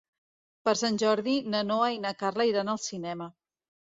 Per Sant Jordi na Noa i na Carla iran al cinema.